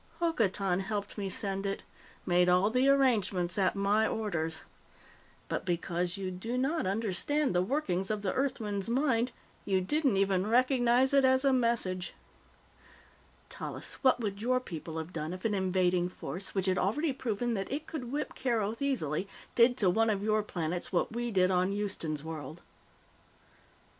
Hokotan helped me send it made all the arrangements at my orders. But because you do not understand the workings of the Earthman's mind, you didn't even recognize it as a message. "Tallis, what would your people have done if an invading force, which had already proven that it could whip Keroth easily, did to one of your planets what we did on Houston's World?"